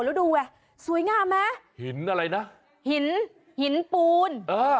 แล้วดูสวยงามไหมหินอะไรนะหินปูน